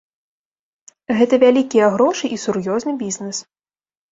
Гэта вялікія грошы і сур'ёзны бізнэс.